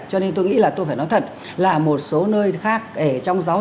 cho nên tôi nghĩ là tôi phải nói thật là một số nơi khác ở trong gia đình